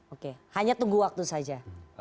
oke hanya tunggu waktu saja